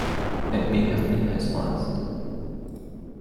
It may have been his last.